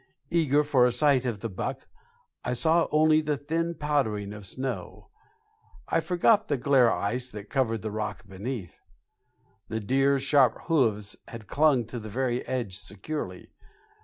Eager for a sight of the buck I saw only the thin powdering of snow; I forgot the glare ice that covered the rock beneath. The deer's sharp hoofs had clung to the very edge securely.